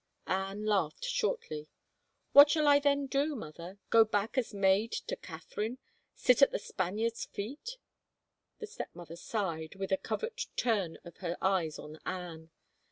*' Anne laughed shortly. " What shall I then do, mother? Go back as maid to Catherine? Sit at the Spaniard's feet ?" The stepmother sighed, with a covert turn of her eyes on Anne.